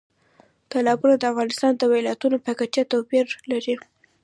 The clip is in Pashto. تالابونه د افغانستان د ولایاتو په کچه توپیر لري.